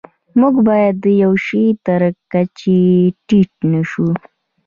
موږ باید د یوه شي تر کچې ټیټ نشو.